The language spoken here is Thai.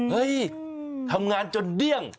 เฮ้ยทำงานจนเดี้ยง